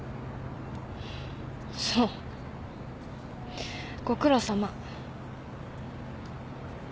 そうご苦労さま。